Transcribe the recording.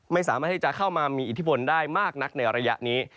ไม่สามารถที่จะเข้ามามีอิทธิพลได้มากนักในระยะนี้